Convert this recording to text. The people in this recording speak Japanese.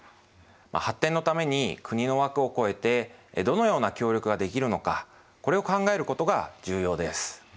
発展のために国の枠を越えてどのような協力ができるのかこれを考えることが重要です。